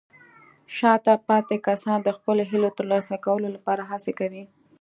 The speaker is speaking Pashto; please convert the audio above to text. شاته پاتې کسان د خپلو هیلو ترلاسه کولو لپاره هڅې کوي.